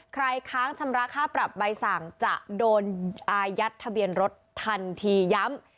ค้างชำระค่าปรับใบสั่งจะโดนอายัดทะเบียนรถทันทีย้ำ